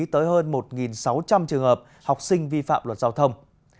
sáu trăm linh trường hợp học sinh vi phạm luật giao thông